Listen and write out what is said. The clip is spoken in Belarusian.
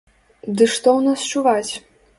Ды што ў нас чуваць?